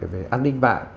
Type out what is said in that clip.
về an ninh mạng